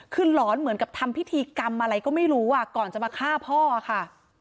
คือหลอนเหมือนกับทำพิธีกรรมอะไรก็ไม่รู้อ่ะก่อนจะมาฆ่าพ่อค่ะ